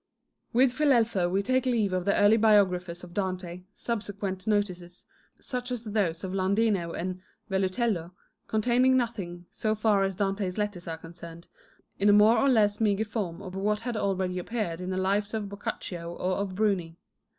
With Filelfo we take leave of the early biographers of Dante, subsequent notices, such as those of Landino and Vellutello, 2 containing nothing, so far as Dante's letters are concerned, but a repetition in a more or less meagre form of what had already appeared in the lives of Boccaccio or of Bruni.